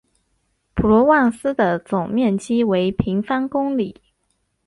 普罗旺斯的总面积为平方公里。